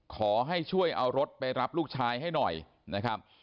ขอให้ช่วยเอารถไปรับลูกชายให้หน่อยนะครับ